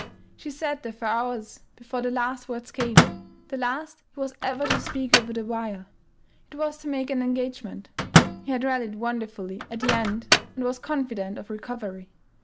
She sat there for hours before the last words came, the last he was ever to speak over the wire. It was to make an engagement. He had rallied wonderfully at the end and was confident of recovery.